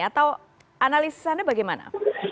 atau analisis anda bagaimana